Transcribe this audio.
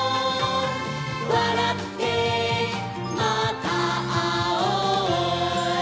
「わらってまたあおう」